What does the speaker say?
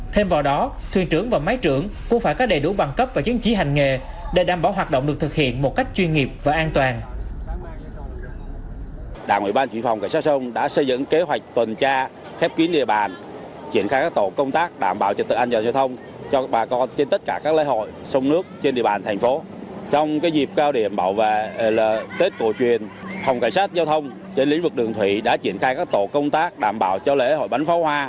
thêm vào đó thuyền trưởng và máy trưởng cũng phải có đầy đủ bằng cấp và chứng trí hành nghề để đảm bảo hoạt động được thực hiện một cách chuyên nghiệp và an toàn